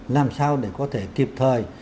làm sao để có thể kịp thời